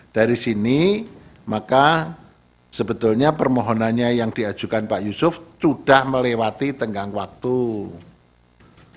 dari sini maka sebetulnya permohonannya yang diajukan pak yusuf sudah melewati tenggang waktu